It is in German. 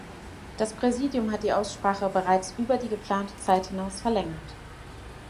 Das Präsidium hat die Aussprache bereits über die geplante Zeit hinaus verlängert.